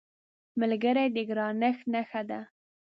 ملګری د ګرانښت نښه ده